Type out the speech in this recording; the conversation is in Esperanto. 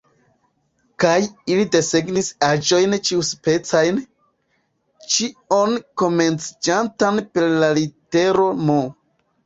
Kaj ili desegnis aĵojn ĉiuspecajn, ĉion komenciĝantan per la litero M.